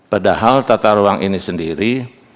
padahal tata ruang ini sendiri